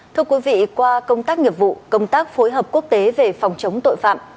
thưa quý vị qua công tác nghiệp vụ công tác phối hợp quốc tế về phòng chống tội phạm